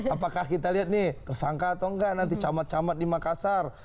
apakah kita lihat nih tersangka atau enggak nanti camat camat di makassar